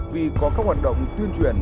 vì có các hoạt động tuyên truyền